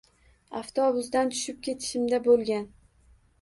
Aftobusdan tushib ketishimda bo'lgan